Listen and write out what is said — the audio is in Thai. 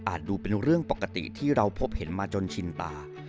ดูเป็นเรื่องปกติที่เราพบเห็นมาจนชินตา